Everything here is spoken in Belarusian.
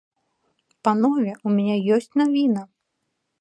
Панове, у мяне ёсць навіна.